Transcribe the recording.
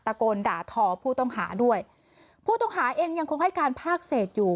โกนด่าทอผู้ต้องหาด้วยผู้ต้องหาเองยังคงให้การภาคเศษอยู่